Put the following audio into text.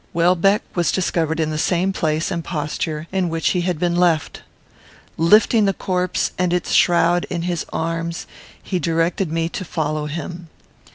Welbeck was discovered in the same place and posture in which he had been left. Lifting the corpse and its shroud in his arms, he directed me to follow him.